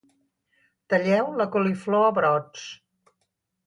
talleu la coliflor a brots